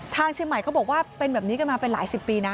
ทางเชียงใหม่เขาบอกว่าเป็นแบบนี้กันมาเป็นหลายสิบปีนะ